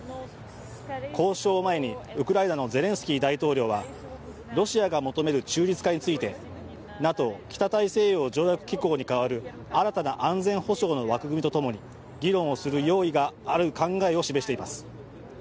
交渉を前にウクライナのゼレンスキー大統領はロシアが求める中立化について、ＮＡＴＯ＝北大西洋条約機構に代わる新たな安全保障の枠組みとともに議論をする用意がある考えを示しています。